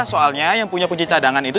soalnya yang punya pencetadangan itu